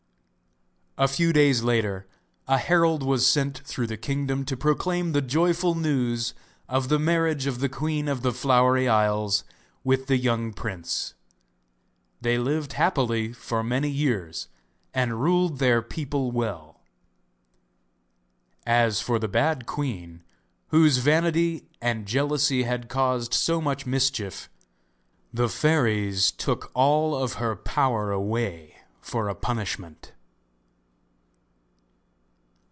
A few days later a herald was sent through the kingdom to proclaim the joyful news of the marriage of the Queen of the Flowery Isles with the young prince. They lived happily for many years, and ruled their people well. As for the bad queen, whose vanity and jealousy had caused so much mischief, the Fairies took all her power away for a punishment.